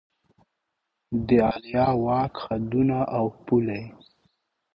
د عالیه واک حدونه او پولې